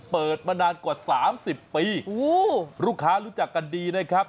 เปิดมานานกว่า๓๐ปีลูกค้ารู้จักกันดีนะครับ